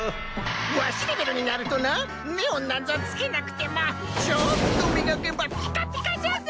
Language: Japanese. わしレベルになるとなネオンなんぞつけなくてもちょっと磨けばピカピカじゃぞ！